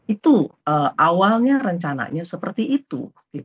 itu awalnya rencananya seperti itu